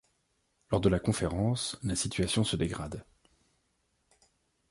Lors de la conférence, la situation se dégrade.